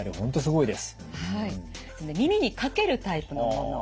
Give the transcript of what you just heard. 耳に掛けるタイプのもの。